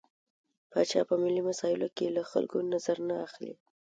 پاچا په ملي مسايلو کې له خلکو نظر نه اخلي.